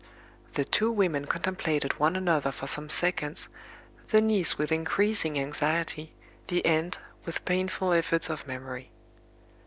The two women contemplated one another for some seconds, the niece with increasing anxiety, the aunt with painful efforts of memory.